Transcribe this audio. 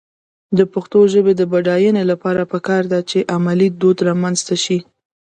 د پښتو ژبې د بډاینې لپاره پکار ده چې علمي دود رامنځته شي.